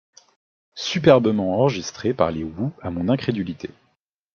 Superbement enregistrée par les Who à mon incrédulité.